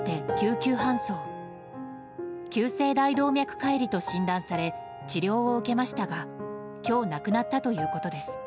急性大動脈解離と診断され治療を受けましたが今日亡くなったということです。